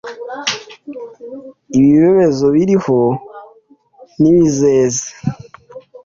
’ibibezo biriho n’ibizeze.